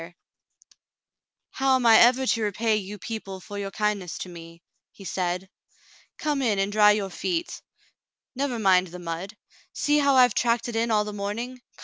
52 The Mountain Girl *'How am I ever to repay you people for your kindness to me?" he said. "Come in and dry your feet. Never mind the mud ; see how I've tracked it in all the morning.